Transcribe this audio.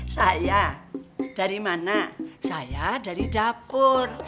saya dari mana saya dari dapur